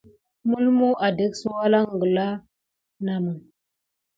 Mulmu adek sə walanŋ gkla namə.